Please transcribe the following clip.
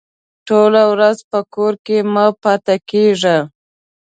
ټوله ورځ په کور کې مه پاته کېږه!